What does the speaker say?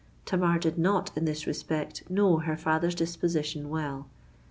Tamar did not, in this respect, know her father's disposition well.